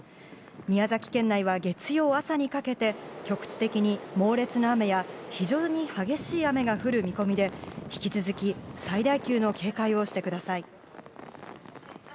宮崎県内は月曜朝にかけて、局地的に猛烈な雨や、非常に激しい雨が降る見込みで、引き続き、最大級の警戒をしてください。